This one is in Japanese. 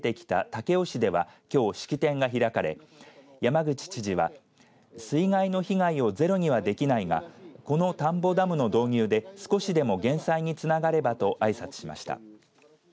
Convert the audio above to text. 武雄市ではきょう、式典が開かれ山口知事は水害の被害をゼロにはできないがこの田んぼダムの導入で少しでも減災につながればとあいさつしました。